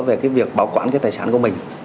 về cái việc bảo quản cái tài sản của mình